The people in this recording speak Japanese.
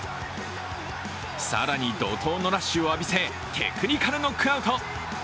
更に怒とうのラッシュを浴びせテクニカルノックアウト。